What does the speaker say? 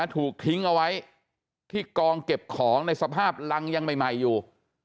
ถูกทิ้งเอาไว้ที่กองเก็บของในสภาพรังยังใหม่อยู่